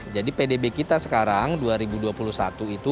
jadi pdb kita sekarang dua ribu dua puluh satu itu kemarin itu sudah membawa kita